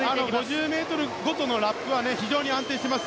５０ｍごとのラップは非常に安定しています。